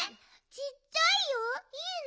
ちっちゃいよ。いいの？